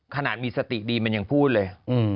ขนาดมีสติดีมันยังพูดเลย